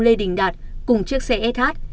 lê đình đạt cùng chiếc xe sh